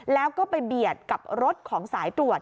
แล้วก็ไปเบียดกับรถของสายตรวจ